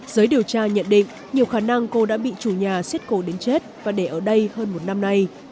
giới điều tra nhận định nhiều khả năng cô đã bị chủ nhà xiết cổ đến chết và để ở đây hơn một năm nay